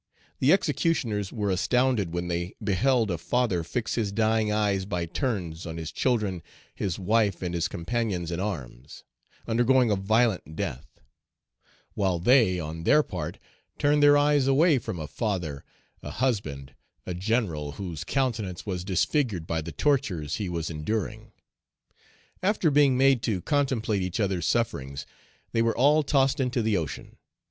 The executioners were astounded when they beheld a father fix his dying eyes by turns on his children, his wife, and his companions in arms, undergoing a violent death; while they, on their part, turned their eyes away from a father, a husband, a general, whose countenance was disfigured by the tortures he was enduring. After being made to contemplate each other's sufferings, they were all tossed into the ocean.